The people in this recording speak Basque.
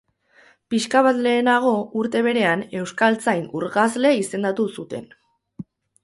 Pixka bat lehenago, urte berean, euskaltzain urgazle izendatu zuten.